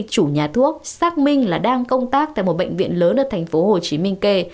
chủ nhà thuốc xác minh là đang công tác tại một bệnh viện lớn ở tp hồ chí minh kê